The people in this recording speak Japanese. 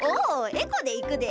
エコでいくで。